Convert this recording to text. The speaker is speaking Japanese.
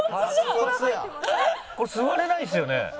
これ座れないですよね？